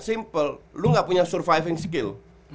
simple lo gak punya surviving skill